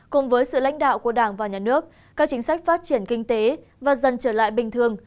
cùng với sự lãnh đạo của đảng và nhà nước các chính sách phát triển kinh tế và dần trở lại bình thường